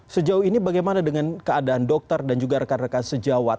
sejauh ini bagaimana dengan keadaan dokter dan juga rekan rekan sejawat